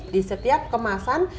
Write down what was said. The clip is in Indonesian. di setiap kemasan